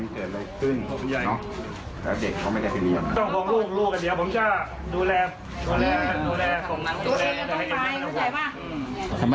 อ๋อที่ไหนครับ